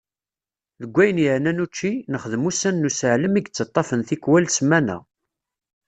Deg wayen yeɛna učči, nexdem ussan n useɛlem i yettaṭafen tikwal smana.